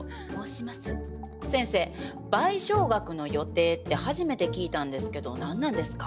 先生賠償額の予定って初めて聞いたんですけど何なんですか？